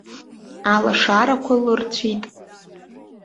Алашарақәа лырцәеит.